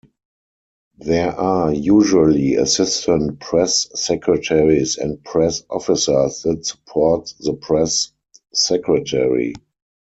There are usually assistant press secretaries and press officers that support the press secretary.